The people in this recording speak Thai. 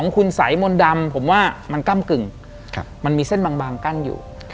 มันกล้ามกึ่งมันมีเส้นบางกั้นอยู่